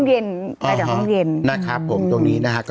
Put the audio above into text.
ห้องเย็นไปจากห้องเย็น